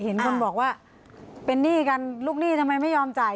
เห็นคนบอกว่าเป็นหนี้กันลูกหนี้ทำไมไม่ยอมจ่าย